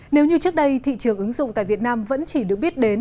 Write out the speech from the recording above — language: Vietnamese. nếu như trước đây thị trường ứng dụng tại việt nam vẫn chỉ được biết đến